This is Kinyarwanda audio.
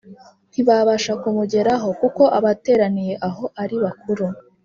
Ntibabasha kumugeraho kuko abateraniye aho ari bakuru